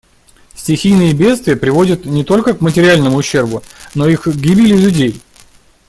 Стихийные бедствия приводят не только к материальному ущербу, но и к гибели людей.